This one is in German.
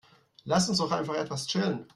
Lass uns doch einfach etwas chillen.